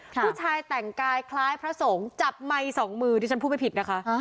ผู้ชายแต่งกายคล้ายพระสงฆ์จับไมค์สองมือที่ฉันพูดไม่ผิดนะคะ